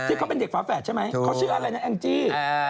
เขาเป็นเด็กฝาแฝดใช่ไหมเขาชื่ออะไรนะแองจี้